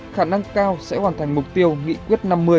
khả năng cao sẽ hoàn thành mục tiêu nghị quyết năm mươi